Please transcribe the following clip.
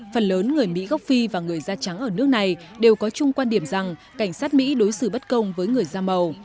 phần lớn người mỹ gốc phi và người da trắng ở nước này đều có chung quan điểm rằng cảnh sát mỹ đối xử bất công với người da màu